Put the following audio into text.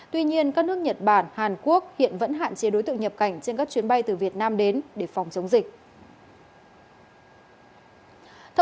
tuy nhiên các nước nhật bản hàn quốc hiện vẫn hạn chế đối tượng nhập cảnh trên các chuyến bay từ việt nam đến để phòng chống dịch